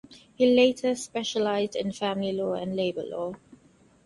He later specialised in family law and labour law.